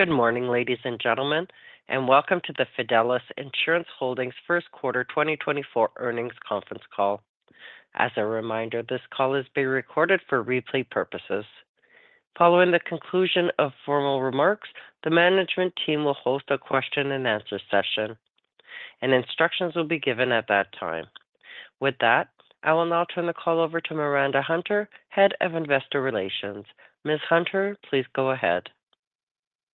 Good morning, ladies and gentlemen, and welcome to the Fidelis Insurance Holdings first quarter 2024 earnings conference call. As a reminder, this call is being recorded for replay purposes. Following the conclusion of formal remarks, the management team will host a question-and-answer session, and instructions will be given at that time. With that, I will now turn the call over to Miranda Hunter, head of investor relations. Ms. Hunter, please go ahead.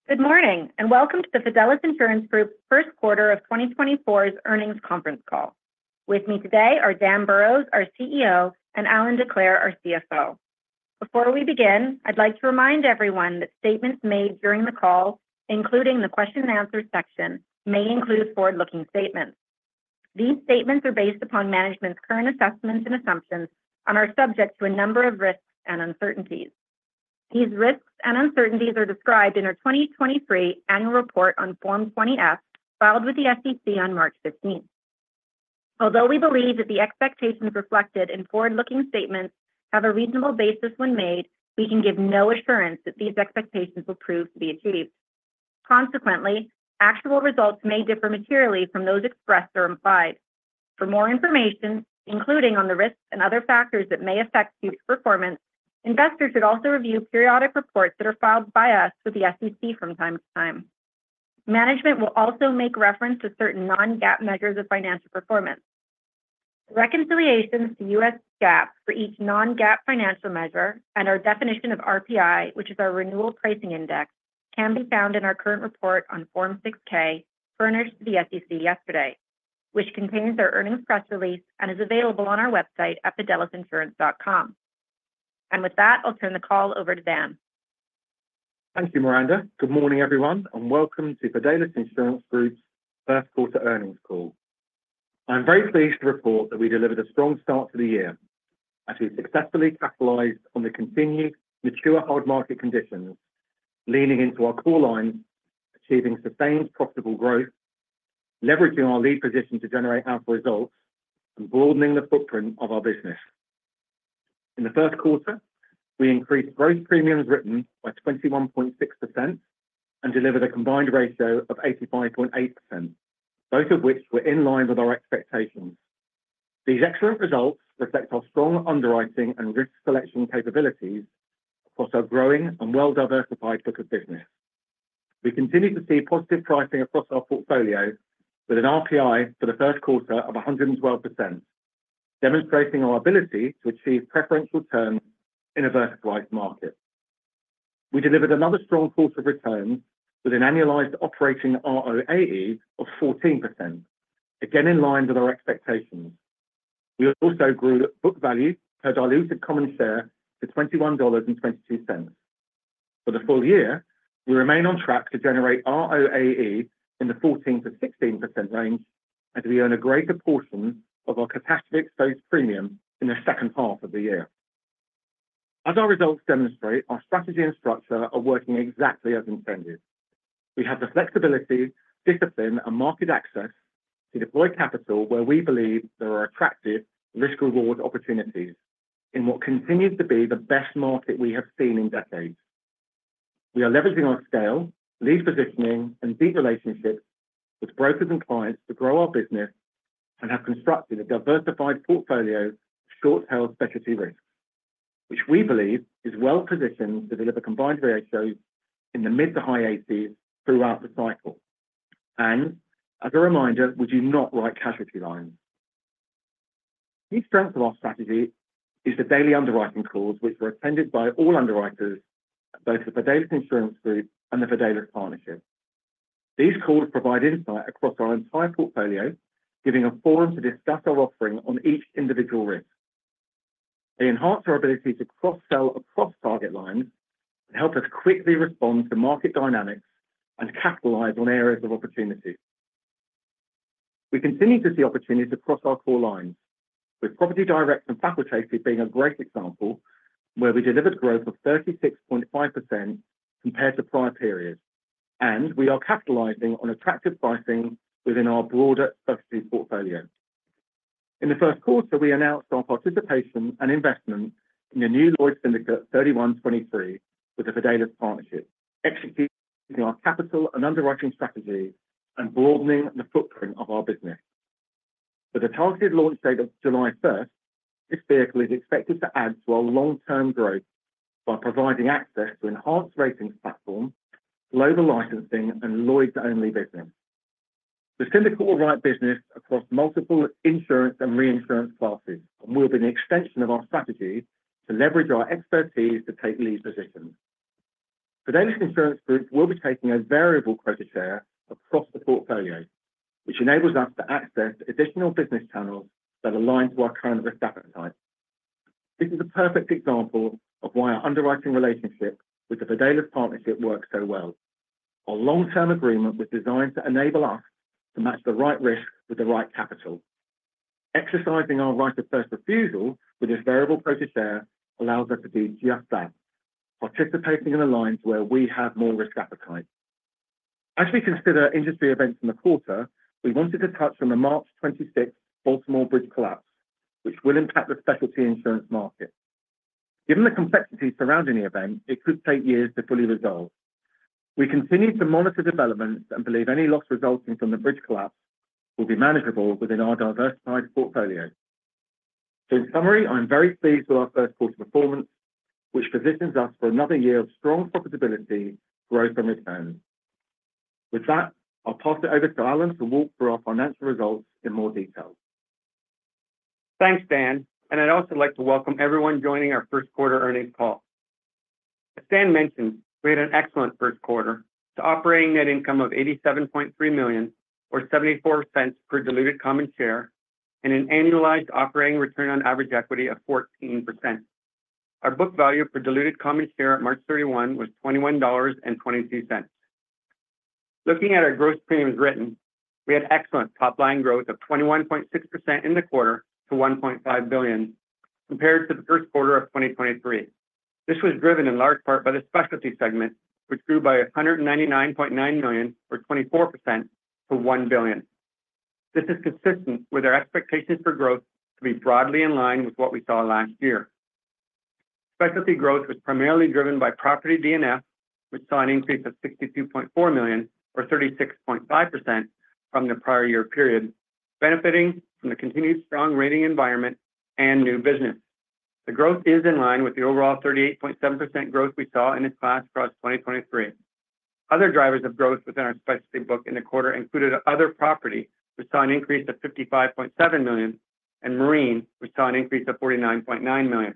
Good morning and welcome to the Fidelis Insurance Group first quarter of 2024's earnings conference call. With me today are Dan Burrows, our CEO, and Allan Decleir, our CFO. Before we begin, I'd like to remind everyone that statements made during the call, including the question-and-answer section, may include forward-looking statements. These statements are based upon management's current assessments and assumptions and are subject to a number of risks and uncertainties. These risks and uncertainties are described in our 2023 annual report on Form 20-F filed with the SEC on March 15th. Although we believe that the expectations reflected in forward-looking statements have a reasonable basis when made, we can give no assurance that these expectations will prove to be achieved. Consequently, actual results may differ materially from those expressed or implied. For more information, including on the risks and other factors that may affect future performance, investors should also review periodic reports that are filed by us with the SEC from time to time. Management will also make reference to certain non-GAAP measures of financial performance. Reconciliations to U.S. GAAP for each non-GAAP financial measure and our definition of RPI, which is our Renewal Pricing Index, can be found in our current report on Form 6-K furnished to the SEC yesterday, which contains our earnings press release and is available on our website at fidelisinsurance.com. With that, I'll turn the call over to Dan. Thank you, Miranda. Good morning, everyone, and welcome to Fidelis Insurance Group's first quarter earnings call. I'm very pleased to report that we delivered a strong start to the year as we successfully capitalized on the continued mature hard market conditions, leaning into our core lines, achieving sustained profitable growth, leveraging our lead position to generate alpha results, and broadening the footprint of our business. In the first quarter, we increased gross premiums written by 21.6% and delivered a combined ratio of 85.8%, both of which were in line with our expectations. These excellent results reflect our strong underwriting and risk selection capabilities across our growing and well-diversified book of business. We continue to see positive pricing across our portfolio with an RPI for the first quarter of 112%, demonstrating our ability to achieve preferential returns in a versatile market. We delivered another strong quarter of returns with an annualized operating ROAE of 14%, again in line with our expectations. We also grew book value per diluted common share to $21.22. For the full year, we remain on track to generate ROAE in the 14%-16% range as we earn a greater portion of our catastrophe-exposed premium in the second half of the year. As our results demonstrate, our strategy and structure are working exactly as intended. We have the flexibility, discipline, and market access to deploy capital where we believe there are attractive risk-reward opportunities in what continues to be the best market we have seen in decades. We are leveraging our scale, lead positioning, and deep relationships with brokers and clients to grow our business and have constructed a diversified portfolio of short-held Specialty risks, which we believe is well positioned to deliver combined ratios in the mid- to high-80s throughout the cycle. And as a reminder, we do not write casualty lines. Key strength of our strategy is the daily underwriting calls, which are attended by all underwriters, both the Fidelis Insurance Group and the Fidelis Partnership. These calls provide insight across our entire portfolio, giving a forum to discuss our offering on each individual risk. They enhance our ability to cross-sell across target lines and help us quickly respond to market dynamics and capitalize on areas of opportunity. We continue to see opportunities across our core lines, with Property Direct and Facultative being a great example where we delivered growth of 36.5% compared to prior periods, and we are capitalizing on attractive pricing within our broader Specialty portfolio. In the first quarter, we announced our participation and investment in a new Lloyd's Syndicate 3123 with the Fidelis Partnership, executing our capital and underwriting strategy and broadening the footprint of our business. For the targeted launch date of July 1st, this vehicle is expected to add to our long-term growth by providing access to enhanced ratings platforms, global licensing, and Lloyd's-only business. The syndicate will write business across multiple insurance and reinsurance classes and will be an extension of our strategy to leverage our expertise to take lead positions. Fidelis Insurance Group will be taking a variable quota share across the portfolio, which enables us to access additional business channels that align to our current risk appetite. This is a perfect example of why our underwriting relationship with the Fidelis Partnership works so well. Our long-term agreement was designed to enable us to match the right risk with the right capital. Exercising our right of first refusal with this variable quota share allows us to do just that, participating in the lines where we have more risk appetite. As we consider industry events in the quarter, we wanted to touch on the March 26th Baltimore Bridge collapse, which will impact the Specialty insurance market. Given the complexities surrounding the event, it could take years to fully resolve. We continue to monitor developments and believe any loss resulting from the bridge collapse will be manageable within our diversified portfolio. In summary, I'm very pleased with our first quarter performance, which positions us for another year of strong profitability, growth, and returns. With that, I'll pass it over to Allan to walk through our financial results in more detail. Thanks, Dan. I'd also like to welcome everyone joining our first quarter earnings call. As Dan mentioned, we had an excellent first quarter to operating net income of $87.3 million or $0.74 per diluted common share and an annualized operating return on average equity of 14%. Our book value per diluted common share at March 31 was $21.22. Looking at our gross premiums written, we had excellent top-line growth of 21.6% in the quarter to $1.5 billion compared to the first quarter of 2023. This was driven in large part by the Specialty segment, which grew by $199.9 million or 24% to $1 billion. This is consistent with our expectations for growth to be broadly in line with what we saw last year. Specialty growth was primarily driven by Property D&F, which saw an increase of $62.4 million or 36.5% from the prior year period, benefiting from the continued strong rating environment and new business. The growth is in line with the overall 38.7% growth we saw in its class across 2023. Other drivers of growth within our Specialty book in the quarter included Other Property, which saw an increase of $55.7 million, and Marine, which saw an increase of $49.9 million.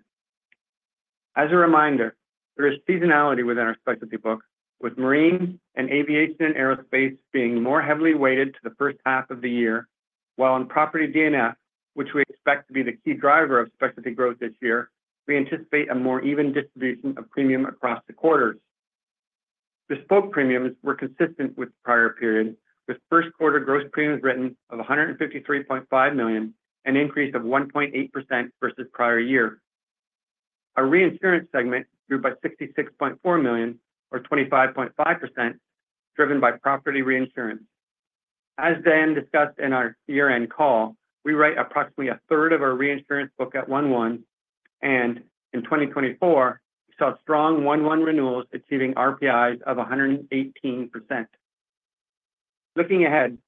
As a reminder, there is seasonality within our Specialty book, with Marine and Aviation and Aerospace being more heavily weighted to the first half of the year, while in Property D&F, which we expect to be the key driver of Specialty growth this year, we anticipate a more even distribution of premium across the quarters. Bespoke premiums were consistent with the prior period, with first quarter gross premiums written of $153.5 million and an increase of 1.8% versus prior year. Our reinsurance segment grew by $66.4 million or 25.5%, driven by Property Reinsurance. As Dan discussed in our year-end call, we write approximately a third of our reinsurance book at 1/1, and in 2024, we saw strong 1/1 renewals achieving RPIs of 118%. Looking ahead,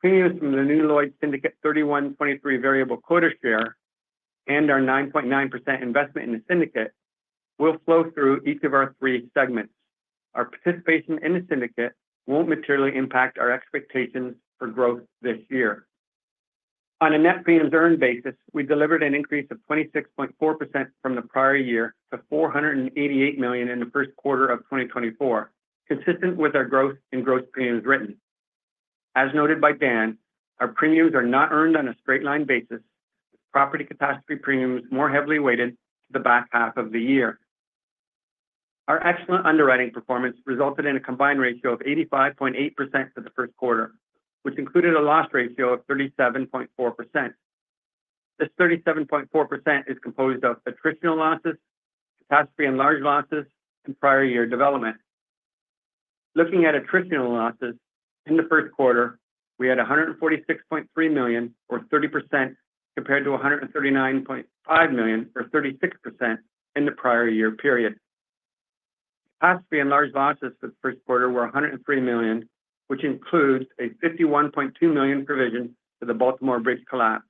premiums from the new Lloyd's Syndicate 3123 variable quota share and our 9.9% investment in the syndicate will flow through each of our three segments. Our participation in the syndicate won't materially impact our expectations for growth this year. On a net premiums earned basis, we delivered an increase of 26.4% from the prior year to $488 million in the first quarter of 2024, consistent with our growth in gross premiums written. As noted by Dan, our premiums are not earned on a straight-line basis, with property catastrophe premiums more heavily weighted to the back half of the year. Our excellent underwriting performance resulted in a combined ratio of 85.8% for the first quarter, which included a loss ratio of 37.4%. This 37.4% is composed of attritional losses, catastrophe and large losses, and prior year development. Looking at attritional losses, in the first quarter, we had $146.3 million or 30% compared to $139.5 million or 36% in the prior year period. Catastrophe enlarged losses for the first quarter were $103 million, which includes a $51.2 million provision for the Baltimore Bridge collapse,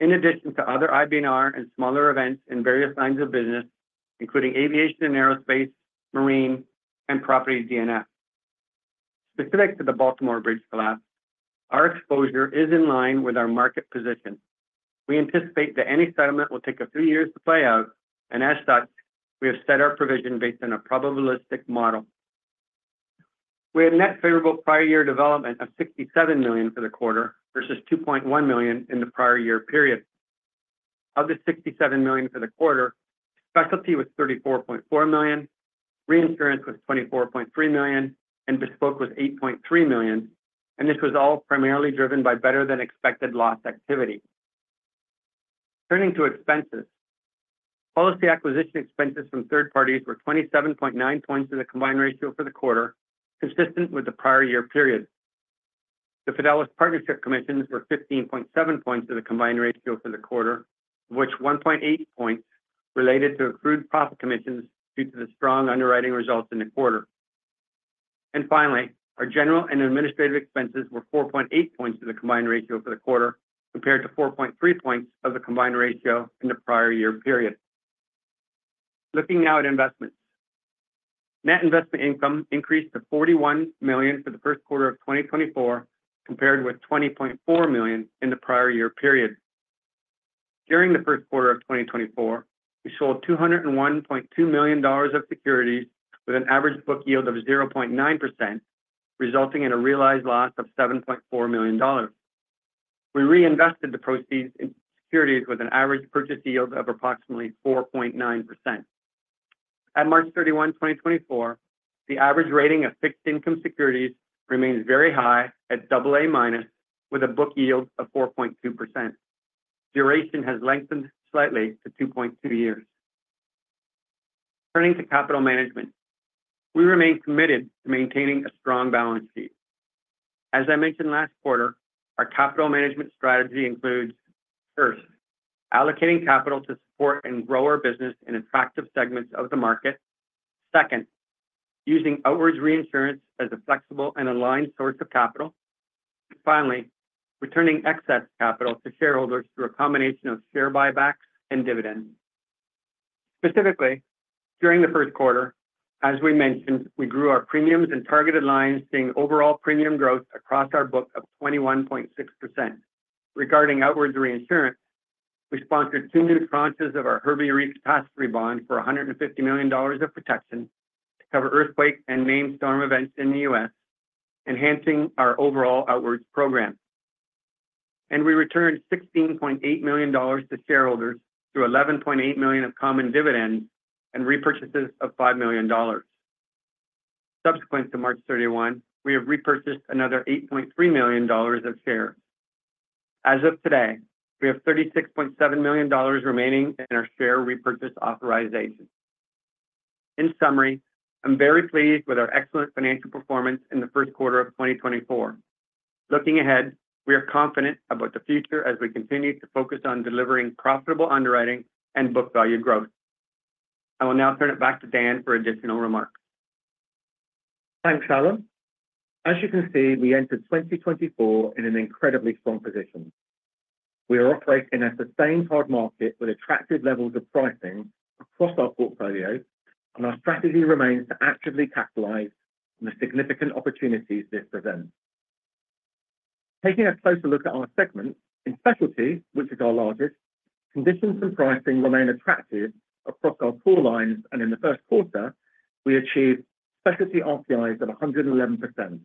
in addition to other IBNR and smaller events in various lines of business, including aviation and aerospace, marine, and Property D&F. Specific to the Baltimore Bridge collapse, our exposure is in line with our market position. We anticipate that any settlement will take a few years to play out, and as such, we have set our provision based on a probabilistic model. We had net favorable prior year development of $67 million for the quarter versus $2.1 million in the prior year period. Of the $67 million for the quarter, Specialty was $34.4 million, Reinsurance was $24.3 million, and Bespoke was $8.3 million, and this was all primarily driven by better-than-expected loss activity. Turning to expenses, policy acquisition expenses from third parties were 27.9 points of the Combined Ratio for the quarter, consistent with the prior year period. The Fidelis Partnership commissions were 15.7 points of the Combined Ratio for the quarter, of which 1.8 points related to accrued profit commissions due to the strong underwriting results in the quarter. Finally, our general and administrative expenses were 4.8 points of the combined ratio for the quarter compared to 4.3 points of the combined ratio in the prior year period. Looking now at investments, net investment income increased to $41 million for the first quarter of 2024 compared with $20.4 million in the prior year period. During the first quarter of 2024, we sold $201.2 million of securities with an average book yield of 0.9%, resulting in a realized loss of $7.4 million. We reinvested the proceeds into securities with an average purchase yield of approximately 4.9%. At March 31, 2024, the average rating of fixed income securities remains very high at AA minus, with a book yield of 4.2%. Duration has lengthened slightly to 2.2 years. Turning to capital management, we remain committed to maintaining a strong balance sheet. As I mentioned last quarter, our capital management strategy includes, first, allocating capital to support and grow our business in attractive segments of the market. Second, using outwards reinsurance as a flexible and aligned source of capital. And finally, returning excess capital to shareholders through a combination of share buybacks and dividends. Specifically, during the first quarter, as we mentioned, we grew our premiums and targeted lines, seeing overall premium growth across our book of 21.6%. Regarding outwards reinsurance, we sponsored two new tranches of our Herbie Re Catastrophe Bond for $150 million of protection to cover earthquake and named storm events in the U.S., enhancing our overall outwards program. We returned $16.8 million to shareholders through $11.8 million of common dividends and repurchases of $5 million. Subsequent to March 31, we have repurchased another $8.3 million of shares. As of today, we have $36.7 million remaining in our share repurchase authorization. In summary, I'm very pleased with our excellent financial performance in the first quarter of 2024. Looking ahead, we are confident about the future as we continue to focus on delivering profitable underwriting and book value growth. I will now turn it back to Dan for additional remarks. Thanks, Allan. As you can see, we entered 2024 in an incredibly strong position. We are operating in a sustained hard market with attractive levels of pricing across our portfolio, and our strategy remains to actively capitalize on the significant opportunities this presents. Taking a closer look at our segments, in Specialty, which is our largest, conditions and pricing remain attractive across our core lines, and in the first quarter, we achieved Specialty RPIs of 111%.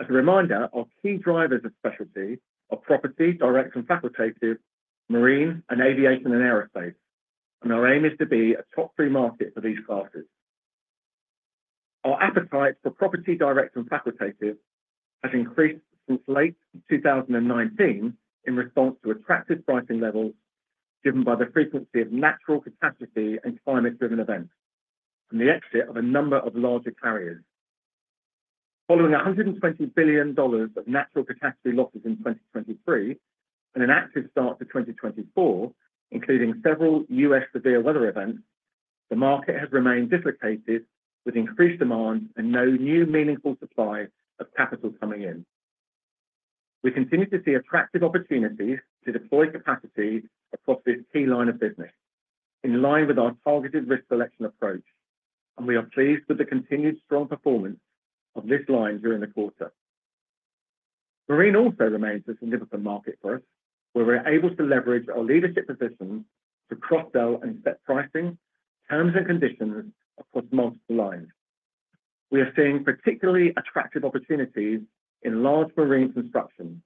As a reminder, our key drivers of Specialty are Property Direct and Facultative, Marine, and Aviation and Aerospace, and our aim is to be a top three market for these classes. Our appetite for Property Direct and Facultative has increased since late 2019 in response to attractive pricing levels given by the frequency of natural catastrophe and climate-driven events and the exit of a number of larger carriers. Following $120 billion of natural catastrophe losses in 2023 and an active start to 2024, including several U.S. severe weather events, the market has remained dislocated with increased demand and no new meaningful supply of capital coming in. We continue to see attractive opportunities to deploy capacity across this key line of business in line with our targeted risk selection approach, and we are pleased with the continued strong performance of this line during the quarter. Marine also remains a significant market for us, where we're able to leverage our leadership positions to cross-sell and set pricing, terms, and conditions across multiple lines. We are seeing particularly attractive opportunities in large marine construction,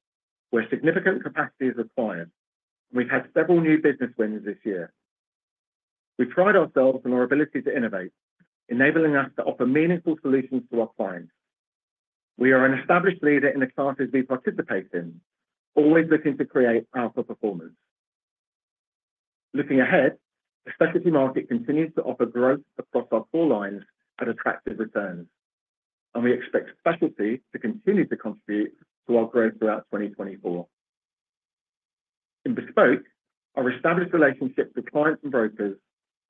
where significant capacity is required, and we've had several new business wins this year. We've prided ourselves on our ability to innovate, enabling us to offer meaningful solutions to our clients. We are an established leader in the classes we participate in, always looking to create alpha performance. Looking ahead, the Specialty market continues to offer growth across our core lines at attractive returns, and we expect Specialty to continue to contribute to our growth throughout 2024. In bespoke, our established relationship with clients and brokers,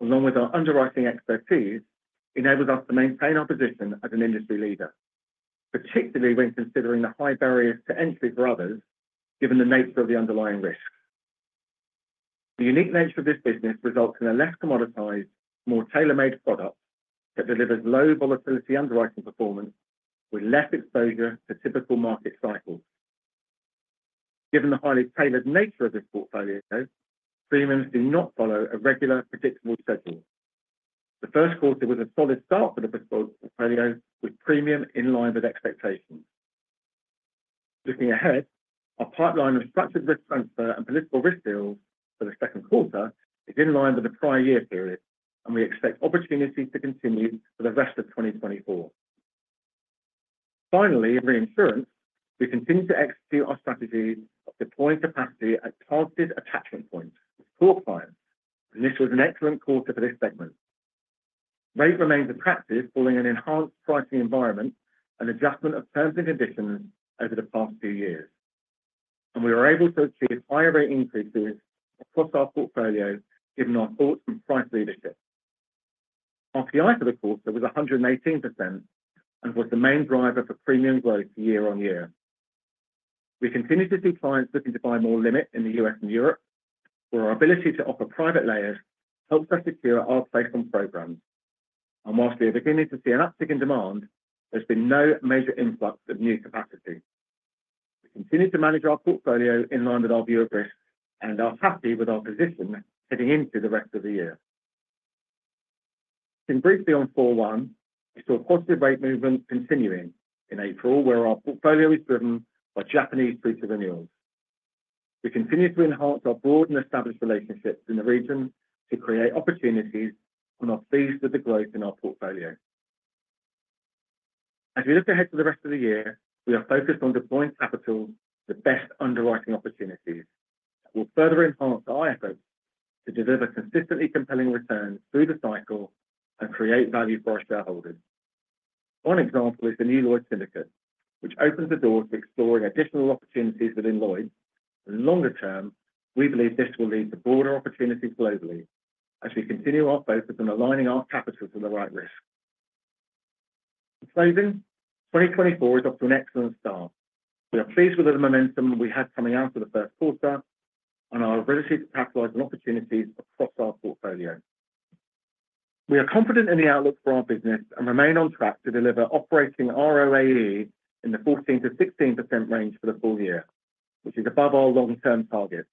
along with our underwriting expertise, enables us to maintain our position as an industry leader, particularly when considering the high barriers to entry for others, given the nature of the underlying risks. The unique nature of this business results in a less commoditized, more tailor-made product that delivers low volatility underwriting performance with less exposure to typical market cycles. Given the highly tailored nature of this portfolio, premiums do not follow a regular, predictable schedule. The first quarter was a solid start for the portfolio, with premium in line with expectations. Looking ahead, our pipeline of structured risk transfer and political risk deals for the second quarter is in line with the prior year period, and we expect opportunities to continue for the rest of 2024. Finally, in reinsurance, we continue to execute our strategy of deploying capacity at targeted attachment points with core clients, and this was an excellent quarter for this segment. Rate remains attractive following an enhanced pricing environment and adjustment of terms and conditions over the past few years, and we were able to achieve higher rate increases across our portfolio given our thoughts on price leadership. RPI for the quarter was 118% and was the main driver for premium growth year-on-year. We continue to see clients looking to buy more limit in the U.S. and Europe, where our ability to offer private layers helps us secure our place on programs. While we are beginning to see an uptick in demand, there's been no major influx of new capacity. We continue to manage our portfolio in line with our view of risk, and are happy with our position heading into the rest of the year. Briefly on 4/1, we saw positive rate movement continuing in April, where our portfolio is driven by Japanese treaty renewals. We continue to enhance our broad and established relationships in the region to create opportunities and seize the growth in our portfolio. As we look ahead to the rest of the year, we are focused on deploying capital to the best underwriting opportunities that will further enhance our efforts to deliver consistently compelling returns through the cycle and create value for our shareholders. One example is the new Lloyd's syndicate, which opens the door to exploring additional opportunities within Lloyd's. Longer term, we believe this will lead to broader opportunities globally as we continue our focus on aligning our capitals to the right risk. In closing, 2024 is off to an excellent start. We are pleased with the momentum we had coming out of the first quarter and our ability to capitalize on opportunities across our portfolio. We are confident in the outlook for our business and remain on track to deliver operating ROAE in the 14%-16% range for the full year, which is above our long-term target.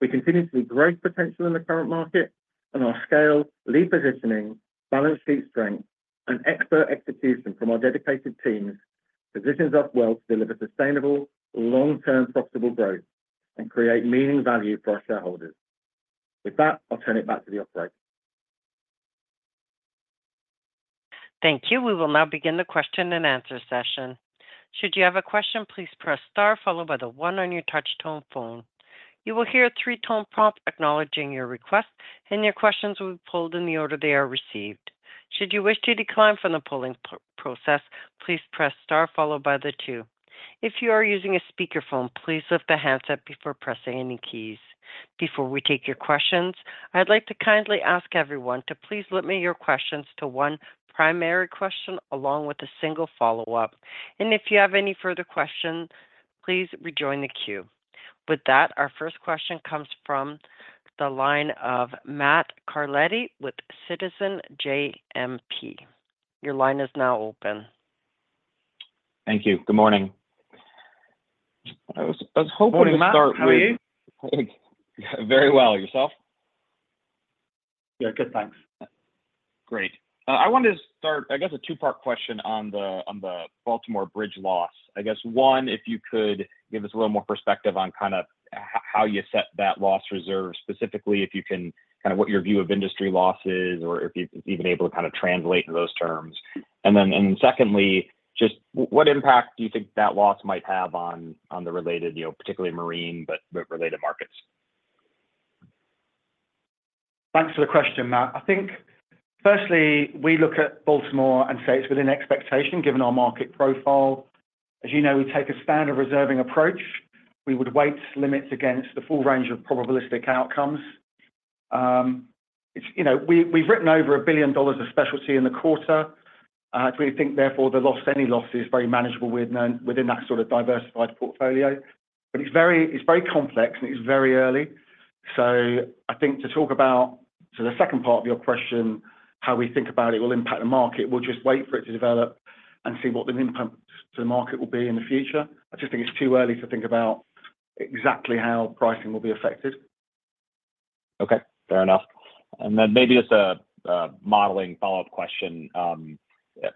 We continue to see growth potential in the current market, and our scale, leading positioning, balance sheet strength, and expert execution from our dedicated teams positions us well to deliver sustainable, long-term profitable growth and create meaningful value for our shareholders. With that, I'll turn it back to the operator. Thank you. We will now begin the question and answer session. Should you have a question, please press star followed by the 1 on your touch-tone phone. You will hear a three-tone prompt acknowledging your request, and your questions will be polled in the order they are received. Should you wish to decline from the polling process, please press star followed by the 2. If you are using a speakerphone, please lift the handset before pressing any keys. Before we take your questions, I'd like to kindly ask everyone to please limit your questions to one primary question along with a single follow-up. And if you have any further questions, please rejoin the queue. With that, our first question comes from the line of Matt Carletti with Citizens JMP. Your line is now open. Thank you. Good morning. I was hoping to start with. Morning. How are you? Very well. Yourself? Yeah, good. Thanks. Great. I wanted to start, I guess, a two-part question on the Baltimore Bridge loss. I guess, one, if you could give us a little more perspective on kind of how you set that loss reserve, specifically if you can kind of what your view of industry loss is or if you're even able to kind of translate in those terms. And then secondly, just what impact do you think that loss might have on the related, particularly Marine but related markets? Thanks for the question, Matt. I think, firstly, we look at Baltimore and say it's within expectation given our market profile. As you know, we take a standard reserving approach. We would weight limits against the full range of probabilistic outcomes. We've written over $1 billion of Specialty in the quarter. We think, therefore, any loss is very manageable within that sort of diversified portfolio. But it's very complex, and it's very early. So I think to talk about the second part of your question, how we think about it will impact the market, we'll just wait for it to develop and see what the impact to the market will be in the future. I just think it's too early to think about exactly how pricing will be affected. Okay. Fair enough. And then maybe just a modeling follow-up question.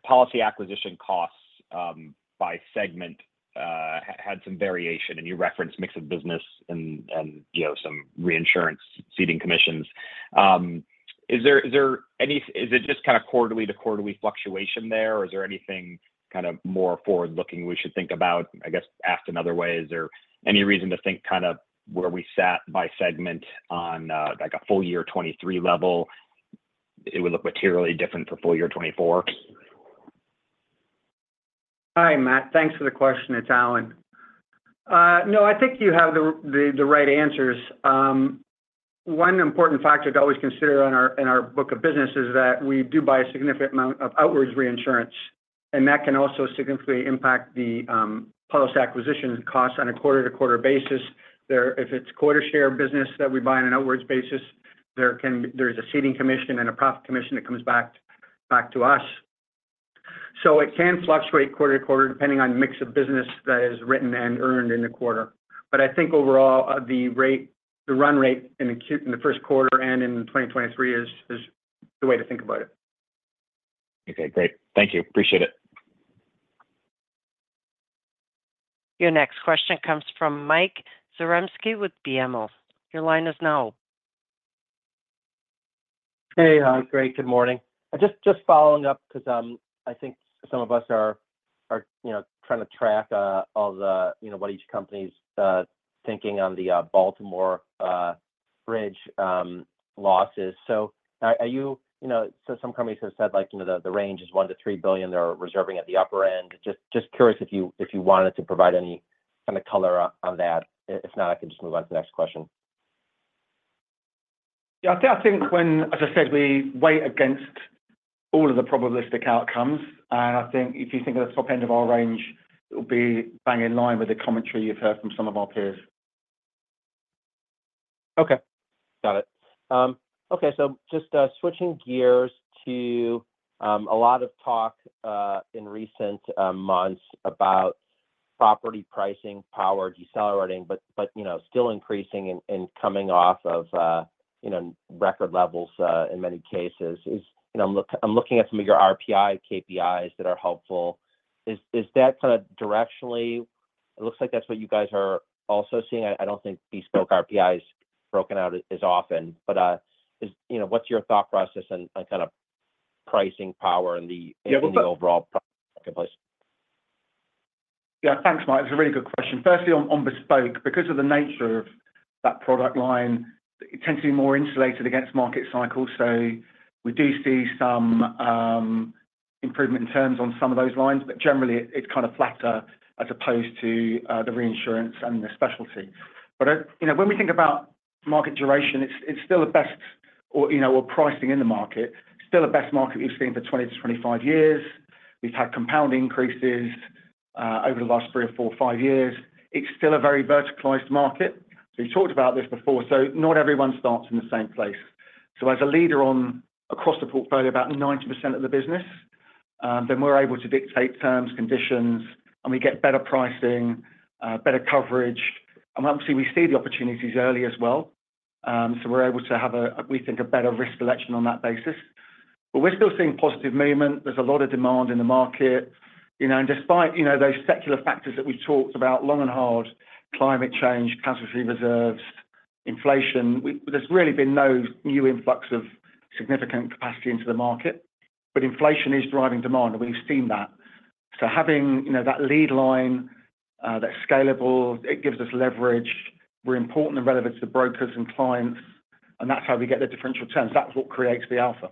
Policy acquisition costs by segment had some variation, and you referenced mix of business and some reinsurance ceding commissions. Is it just kind of quarterly-to-quarterly fluctuation there, or is there anything kind of more forward-looking we should think about, I guess, asked in other ways? Or any reason to think kind of where we sat by segment on a full year 2023 level, it would look materially different for full year 2024? Hi, Matt. Thanks for the question. It's Allan. No, I think you have the right answers. One important factor to always consider in our book of business is that we do buy a significant amount of outwards reinsurance, and that can also significantly impact the policy acquisition costs on a quarter-to-quarter basis. If it's quota share business that we buy on an outwards basis, there's a ceding commission and a profit commission that comes back to us. So it can fluctuate quarter to quarter depending on mix of business that is written and earned in the quarter. But I think, overall, the run rate in the first quarter and in 2023 is the way to think about it. Okay. Great. Thank you. Appreciate it. Your next question comes from Mike Zarembski with BMO. Your line is now open. Hey, great. Good morning. Just following up because I think some of us are trying to track all the what each company's thinking on the Baltimore Bridge losses. So, are you? Some companies have said the range is $1 billion-$3 billion. They're reserving at the upper end. Just curious if you wanted to provide any kind of color on that. If not, I can just move on to the next question. Yeah. I think when, as I said, we weight against all of the probabilistic outcomes. And I think if you think of the top end of our range, it will be bang in line with the commentary you've heard from some of our peers. Okay. Got it. Okay. So just switching gears to a lot of talk in recent months about property pricing power, decelerating, but still increasing and coming off of record levels in many cases. I'm looking at some of your RPI KPIs that are helpful. Is that kind of directionally it looks like that's what you guys are also seeing? I don't think bespoke RPIs broken out as often. But what's your thought process on kind of pricing power and the overall marketplace? Yeah. Thanks, Matt. It's a really good question. Firstly, on bespoke, because of the nature of that product line, it tends to be more insulated against market cycles. So we do see some improvement in terms on some of those lines, but generally, it's kind of flatter as opposed to the reinsurance and the Specialty. But when we think about market duration, it's still the best for pricing in the market, still the best market we've seen for 20-25 years. We've had compounding increases over the last 3 or 4, 5 years. It's still a very verticalized market. So you talked about this before. So not everyone starts in the same place. So as a leader across the portfolio, about 90% of the business, then we're able to dictate terms, conditions, and we get better pricing, better coverage. And obviously, we see the opportunities early as well. So we're able to have, we think, a better risk selection on that basis. But we're still seeing positive movement. There's a lot of demand in the market. And despite those secular factors that we've talked about, long and hard climate change, catastrophe reserves, inflation, there's really been no new influx of significant capacity into the market. But inflation is driving demand, and we've seen that. So having that lead line that's scalable, it gives us leverage. We're important and relevant to the brokers and clients, and that's how we get the differential terms. That's what creates the alpha.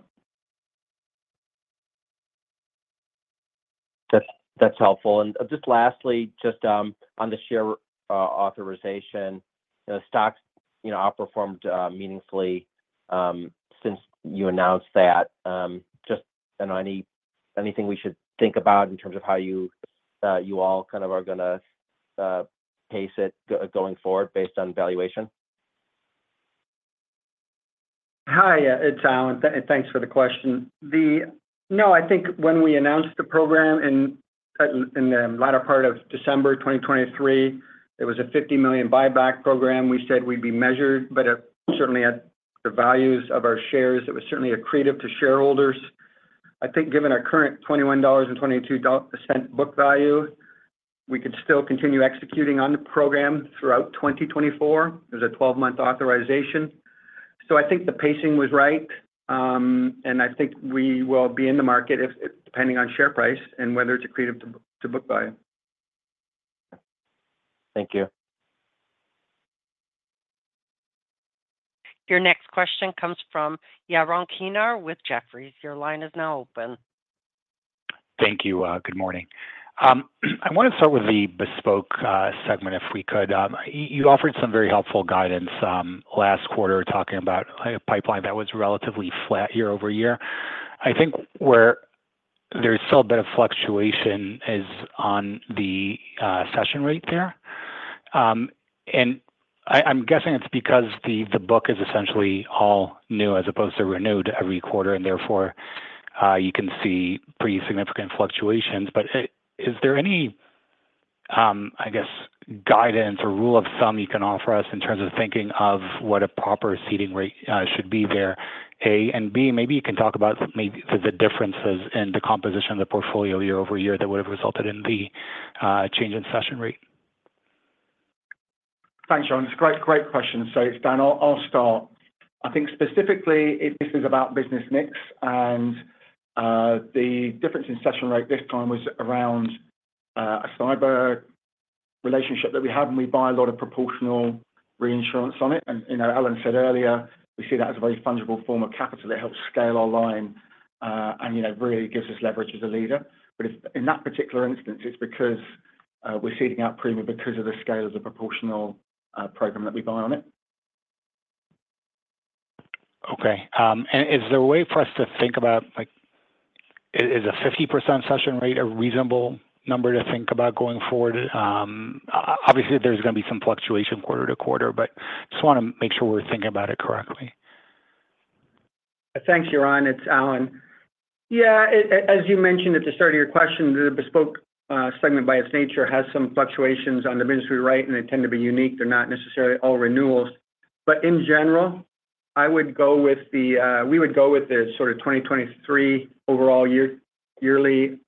That's helpful. And just lastly, just on the share authorization, stocks outperformed meaningfully since you announced that. Just anything we should think about in terms of how you all kind of are going to pace it going forward based on valuation? Hi. It's Allan. Thanks for the question. No, I think when we announced the program in the latter part of December 2023, it was a $50 million buyback program. We said we'd be measured, but certainly, at the values of our shares, it was certainly accretive to shareholders. I think given our current $21.22 book value, we could still continue executing on the program throughout 2024. It was a 12-month authorization. So I think the pacing was right, and I think we will be in the market depending on share price and whether it's accretive to book value. Thank you. Your next question comes from Yaron Kinar with Jefferies. Your line is now open. Thank you. Good morning. I want to start with the Bespoke segment, if we could. You offered some very helpful guidance last quarter talking about a pipeline that was relatively flat year-over-year. I think where there's still a bit of fluctuation is on the cession rate there. And I'm guessing it's because the book is essentially all new as opposed to renewed every quarter, and therefore, you can see pretty significant fluctuations. But is there any, I guess, guidance or rule of thumb you can offer us in terms of thinking of what a proper cession rate should be there, A? And B, maybe you can talk about the differences in the composition of the portfolio year-over-year that would have resulted in the change in cession rate. Thanks, John. It's a great question. So it's Dan. I'll start. I think, specifically, this is about business mix. And the difference in cession rate this time was around a cyber relationship that we have, and we buy a lot of proportional reinsurance on it. And Allan said earlier, we see that as a very fungible form of capital. It helps scale our line and really gives us leverage as a leader. But in that particular instance, it's because we're ceding out premium because of the scale of the proportional program that we buy on it. Okay. Is there a way for us to think about is a 50% session rate a reasonable number to think about going forward? Obviously, there's going to be some fluctuation quarter-to-quarter, but just want to make sure we're thinking about it correctly. Thanks, Yaron. It's Allan. Yeah. As you mentioned at the start of your question, the Bespoke segment, by its nature, has some fluctuations on the margin rate, and they tend to be unique. They're not necessarily all renewals. But in general, I would go with the we would go with the sort of 2023 overall yearly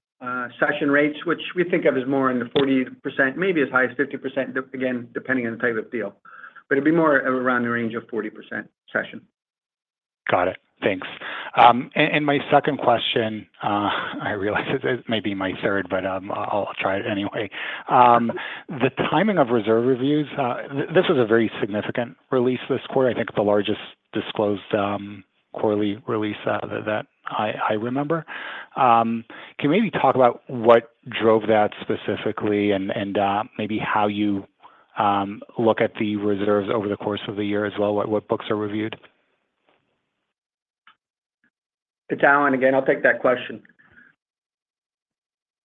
cession rates, which we think of as more in the 40%, maybe as high as 50%, again, depending on the type of deal. But it'd be more around the range of 40% cession. Got it. Thanks. My second question I realize it may be my third, but I'll try it anyway. The timing of reserve reviews, this was a very significant release this quarter. I think it's the largest disclosed quarterly release that I remember. Can you maybe talk about what drove that specifically and maybe how you look at the reserves over the course of the year as well, what books are reviewed? It's Allan. Again, I'll take that question.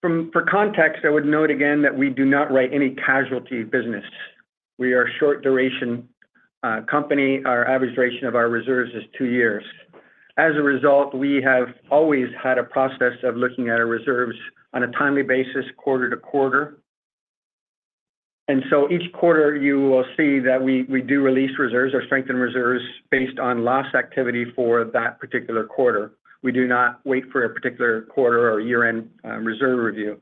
For context, I would note again that we do not write any casualty business. We are a short-duration company. Our average duration of our reserves is two years. As a result, we have always had a process of looking at our reserves on a timely basis, quarter to quarter. And so each quarter, you will see that we do release reserves or strengthen reserves based on loss activity for that particular quarter. We do not wait for a particular quarter or year-end reserve review.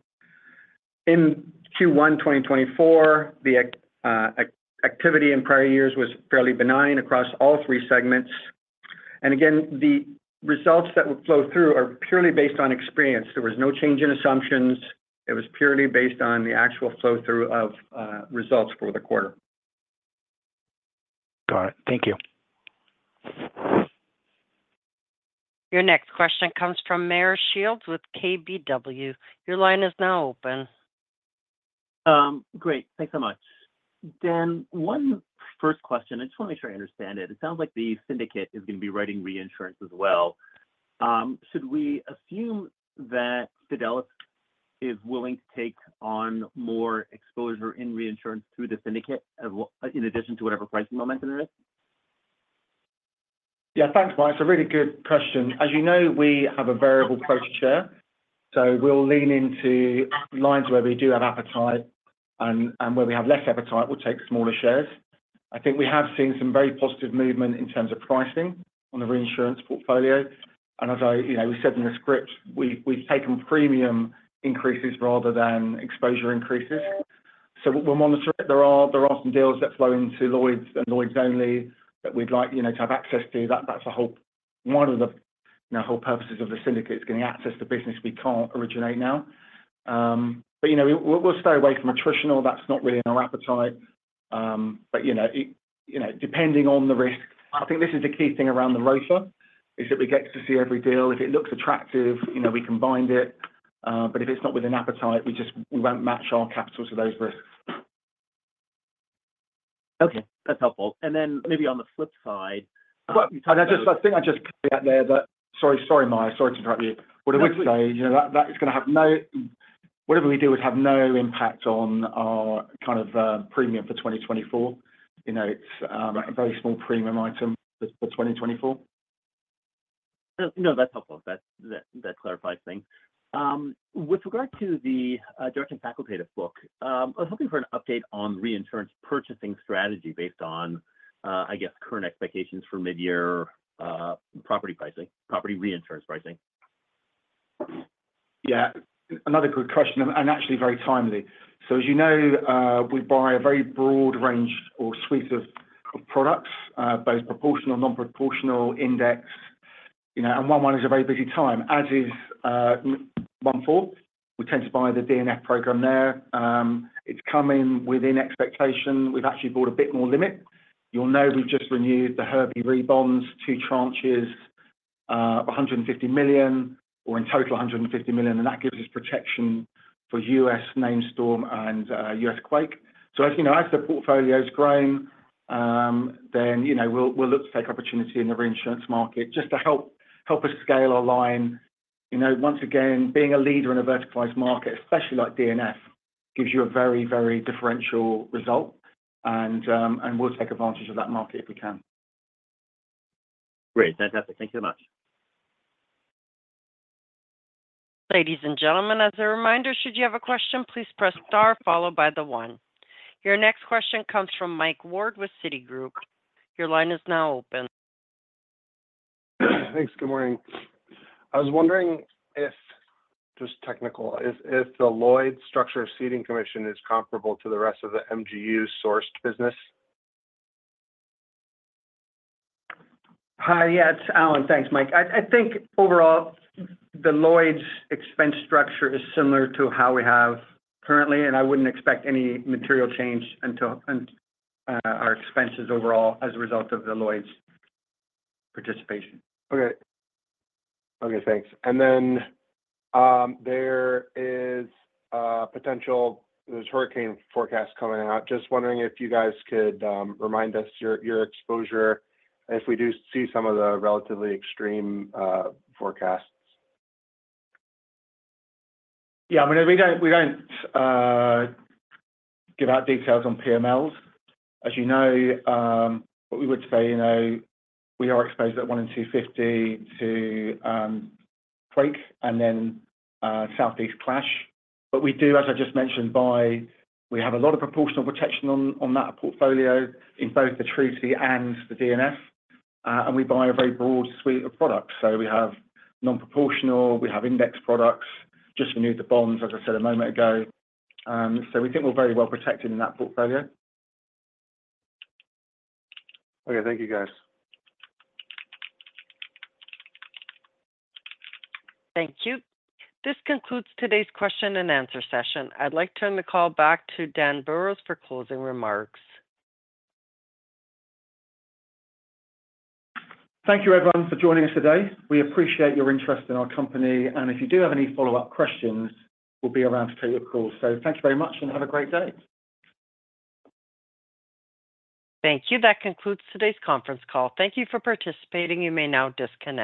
In Q1 2024, the activity in prior years was fairly benign across all three segments. And again, the results that would flow through are purely based on experience. There was no change in assumptions. It was purely based on the actual flow-through of results for the quarter. Got it. Thank you. Your next question comes from Meyer Shields with KBW. Your line is now open. Great. Thanks so much. Dan, one first question. I just want to make sure I understand it. It sounds like the syndicate is going to be writing reinsurance as well. Should we assume that Fidelis is willing to take on more exposure in reinsurance through the syndicate in addition to whatever pricing momentum there is? Yeah. Thanks, Mike. It's a really good question. As you know, we have a Variable Quota Share. So we'll lean into lines where we do have appetite, and where we have less appetite, we'll take smaller shares. I think we have seen some very positive movement in terms of pricing on the reinsurance portfolio. And as we said in the script, we've taken premium increases rather than exposure increases. So we'll monitor it. There are some deals that flow into Lloyd's and Lloyd's only that we'd like to have access to. That's one of the whole purposes of the syndicate is getting access to business we can't originate now. But we'll stay away from attritional. That's not really in our appetite. But depending on the risk, I think this is the key thing around the roster is that we get to see every deal. If it looks attractive, we can bind it. But if it's not within appetite, we won't match our capital to those risks. Okay. That's helpful. And then maybe on the flip side. I think I just cut you out there. Sorry, Mike. Sorry to interrupt you. What I would say, that is going to have no, whatever we do would have no impact on our kind of premium for 2024. It's a very small premium item for 2024. No, that's helpful. That clarifies things. With regard to the Property D&F, I was hoping for an update on reinsurance purchasing strategy based on, I guess, current expectations for mid-year property pricing, property reinsurance pricing. Yeah. Another good question and actually very timely. So as you know, we buy a very broad range or suite of products, both proportional, non-proportional, index. And 1/1 is a very busy time, as is 4/1. We tend to buy the D&F program there. It's come in within expectation. We've actually bought a bit more limit. You'll know we've just renewed the Herbie Re bonds, two tranches, $150 million or in total, $150 million. And that gives us protection for U.S. named storm and U.S. quake. So as the portfolio's grown, then we'll look to take opportunity in the reinsurance market just to help us scale our line. Once again, being a leader in a verticalized market, especially like D&F, gives you a very, very differential result. And we'll take advantage of that market if we can. Great. Fantastic. Thank you so much. Ladies and gentlemen, as a reminder, should you have a question, please press star followed by the 1. Your next question comes from Mike Ward with Citigroup. Your line is now open. Thanks. Good morning. I was wondering if just technical, if the Lloyd's structure ceding commission is comparable to the rest of the MGU-sourced business? Hi. Yeah. It's Allan. Thanks, Mike. I think, overall, the Lloyd's expense structure is similar to how we have currently, and I wouldn't expect any material change to our expenses overall as a result of the Lloyd's participation. Okay. Okay. Thanks. And then there is potential there's hurricane forecasts coming out. Just wondering if you guys could remind us your exposure if we do see some of the relatively extreme forecasts? Yeah. I mean, we don't give out details on PMLs. As you know, what we would say, we are exposed at 1-in-250 to quake and then Southeast clash. But we do, as I just mentioned, but we have a lot of proportional protection on that portfolio in both the Treaty and the D&F. And we buy a very broad suite of products. So we have non-proportional. We have index products. Just renewed the bonds, as I said a moment ago. So we think we're very well protected in that portfolio. Okay. Thank you, guys. Thank you. This concludes today's question and answer session. I'd like to turn the call back to Dan Burrows for closing remarks. Thank you, everyone, for joining us today. We appreciate your interest in our company. If you do have any follow-up questions, we'll be around to take your calls. Thank you very much and have a great day. Thank you. That concludes today's conference call. Thank you for participating. You may now disconnect.